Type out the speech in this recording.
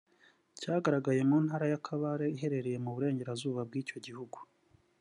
cyagaragaye mu ntara ya Kabale iherereye mu Burengerazuba bw’icyo gihugu